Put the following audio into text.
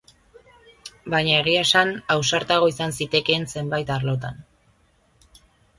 Baina egia esan, ausartago izan zitekeen zenbait arlotan.